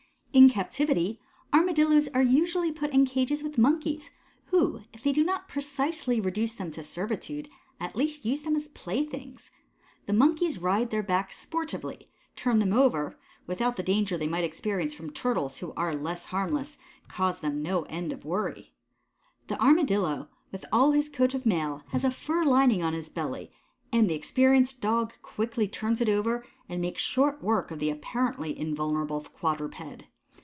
In captivity Armadillos are usually put in cages with Monkeys, who, if they do not precisely reduce them to servitude, at least use them as playthings. The Monkeys ride their backs sportively, turn them over, without the danger they might experience from Turtles, who are less harmless, and cause them no end of worry. The Armadillo, with all his coat of mail, has a fur lining on his belly, and the experienced Dog quickly turns it over and makes short work of the apparently invulnerable quadruped.